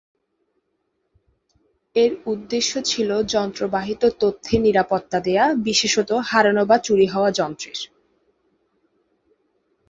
এর উদ্দেশ্য ছিল যন্ত্র-বাহিত তথ্যের নিরাপত্তা দেয়া, বিশেষত হারানো বা চুরি হওয়া যন্ত্রের।